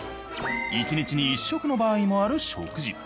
１日に１食の場合もある食事。